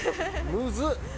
むずっ！